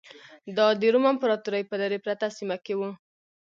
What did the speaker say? دا د روم امپراتورۍ په لرې پرته سیمه کې و